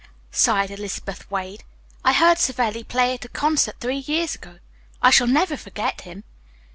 sighed Elizabeth Wade. "I heard Savelli play at a concert three years ago. I shall never forget him."